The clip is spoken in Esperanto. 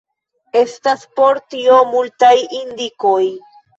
Estas por tio multaj indikoj.